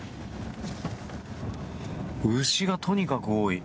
牛がとにかく多い。